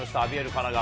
神奈川。